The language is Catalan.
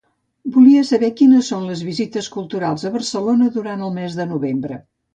Volia saber quines son les visites culturals a Barcelona durant el mes de novembre.